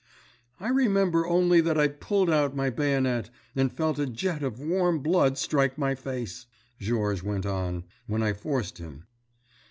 "I remember only that I pulled out my bayonet, and felt a jet of warm blood strike my face," Georges went on, when I forced him.